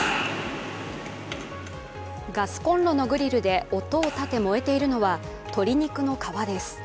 ガスコンロのグリルで音を立て燃えているのは鶏肉の皮です。